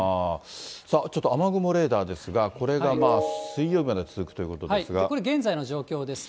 さあ、ちょっと雨雲レーダーですが、これがまあ水曜日まで続これ、現在の状況です。